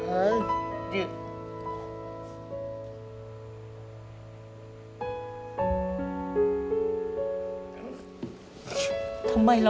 ผมดื่มเทครับดื่มไม่ได้ครับทำอะไรมันก็ทำไปหมด